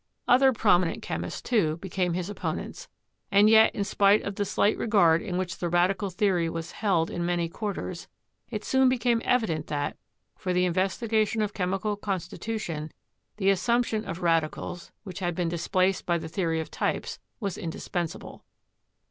Other prominent chemists, too, became his opponents, and yet, in spite of the slight regard in which the radical theory was held in many quar ters, it soon became evident that, for the investigation of chemical constitution, the assumption of radicals, which had been displaced by the theory of types, was indispen sable.